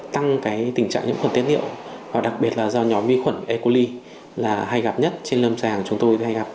tăng tình trạng nhiễm khuẩn tiết niệm đặc biệt là do nhóm vi khuẩn e coli hay gặp nhất trên lâm giảng chúng tôi